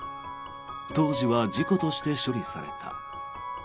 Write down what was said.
当時は事故として処理された。